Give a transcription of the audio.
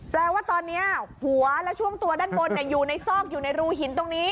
แปลว่าตอนนี้หัวและช่วงตัวด้านบนอยู่ในซอกอยู่ในรูหินตรงนี้